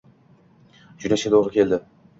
Jo`nashga to`g`ri keldi